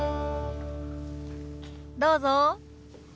どうぞ。